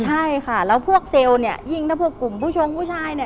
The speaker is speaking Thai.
ใช่ค่ะแล้วพวกเซลยิ่งถ้าพวกกลุ่มผู้ชมผู้ชาย